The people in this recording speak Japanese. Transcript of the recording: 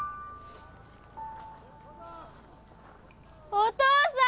お父さん！